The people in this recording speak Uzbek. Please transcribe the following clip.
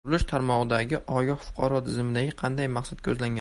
Qurilish tarmog‘idagi “Ogoh fuqaro” tizimidan qanday maqsad ko‘zlangan?